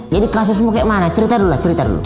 jadi kasusmu kayak mana cerita dulu lah cerita dulu